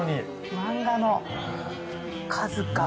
漫画の数が。